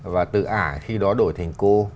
và từ ả khi đó đổi thành cô